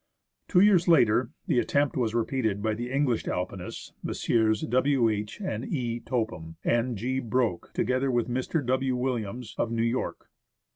Two years later the attempt was repeated by the English Alpinists, Messrs. W. H. and E. Topham, and G, Broke, together with Mr. W. Williams, of New York.